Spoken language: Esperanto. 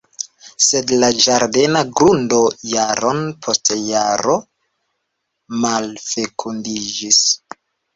Sed la ĝardena grundo jaron post jaro malfekundiĝis.